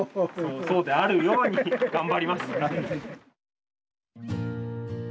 そうであるように頑張ります。